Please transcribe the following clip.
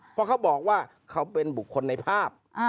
เพราะเขาบอกว่าเขาเป็นบุคคลในภาพ